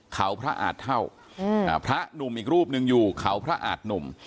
เขาพระอาจเท่าพระหนุ่มอีกรูปหนึ่งอยู่เขาพระอาจหนุ่ม